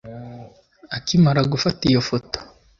Akimara gufata iyo foto